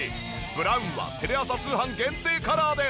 ブラウンはテレ朝通販限定カラーです。